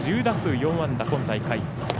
１０打数４安打、今大会。